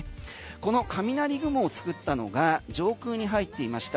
この雷雲を作ったのが上空に入っていました